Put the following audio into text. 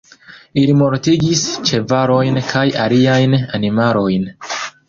Ili mortigis ĉevalojn kaj aliajn animalojn.